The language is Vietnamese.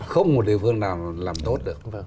không một địa phương nào làm tốt được